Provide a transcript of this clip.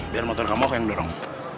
biar motor kamu yang dorong